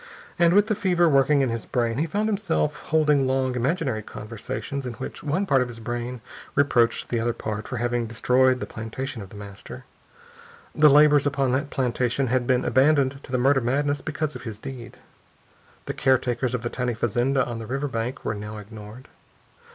And with the fever working in his brain he found himself holding long, imaginary conversations, in which one part of his brain reproached the other part for having destroyed the plantation of The Master. The laborers upon that plantation had been abandoned to the murder madness because of his deed. The caretakers of the tiny fazenda on the river bank were now ignored.